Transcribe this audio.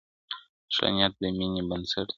ښه نیت د مینې بنسټ دی.